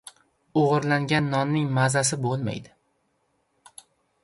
• O‘g‘irlangan nonning mazasi bo‘lmaydi.